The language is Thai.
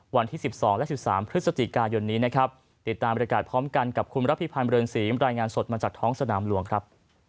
วันที่สิบสองและสิบสามพฤศจิกาย่นนี้นะครับติดตามอร่อยกาลพร้อมกันกับคุณรัฐพิพันธ์เบริญศีรายงานสดมาจากท้องสนามหลวงครับ